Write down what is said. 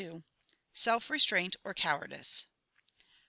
SELF RESTRAINT OR COWARDICE.